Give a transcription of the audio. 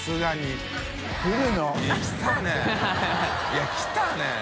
い来たね！